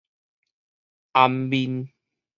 掩面